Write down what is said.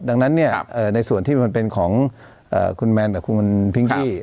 ดังนั้นเนี่ยในส่วนที่มันเป็นของคุณแมนกับคุณพิงกี้